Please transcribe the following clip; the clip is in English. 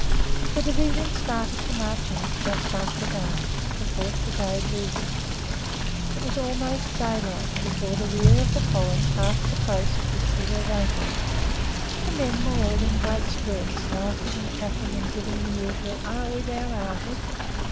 The Division started to march out just after dark, the 4th Brigade leading. It was almost daylight before the rear of the column passed the place at which we were waiting. The men were all in great spirits, laughing and chaffing and giving the usual "Are we down'earted?".